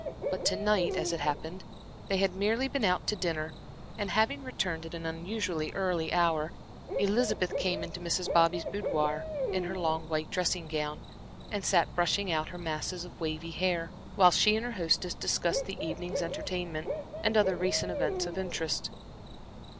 But to night, as it happened, they had merely been out to dinner, and having returned at an unusually early hour, Elizabeth came into Mrs. Bobby's boudoir in her long white dressing gown, and sat brushing out her masses of wavy hair, while she and her hostess discussed the evening's entertainment, and other recent events of interest.